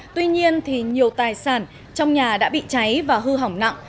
tuy nhiên thì nhiều tài sản trong nhà đã bị cháy và hư hỏng nặng